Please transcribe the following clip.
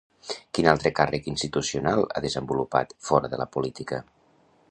Quin altre càrrec institucional ha desenvolupat, fora de la política?